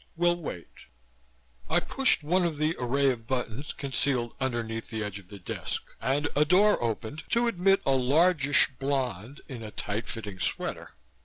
Will wait." I pushed one of the array of buttons concealed underneath the edge of the desk and a door opened to admit a largish blonde in a tight fitting sweater.